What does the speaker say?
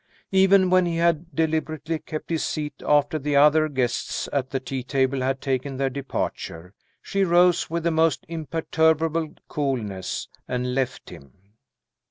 Even when he had deliberately kept his seat after the other guests at the tea table had taken their departure, she rose with the most imperturbable coolness, and left him.